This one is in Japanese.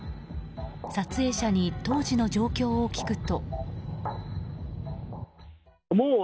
撮影者に当時の状況を聞くと。